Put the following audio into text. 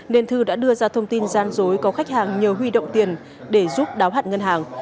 nên thư đã đưa ra thông tin gian dối có khách hàng nhờ huy động tiền để giúp đáo hạn ngân hàng